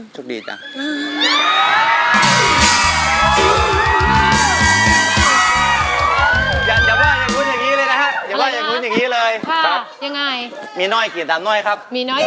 สุขดีนะครับ